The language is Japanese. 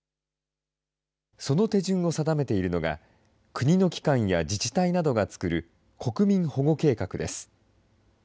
その手順を定めているのが、国の機関や自治体などが作る国民保護計画です。